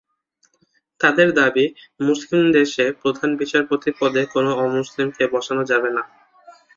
তাদের দাবি, মুসলিম দেশে প্রধান বিচারপতি পদে কোনো অমুসলমানকে বসানো যাবে না।